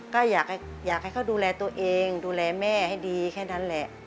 ก็อยากให้เขาดูแลตัวเองดูแลแม่ให้ดีแค่นั้นแหละ